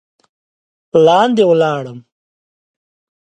لاندې ولاړم.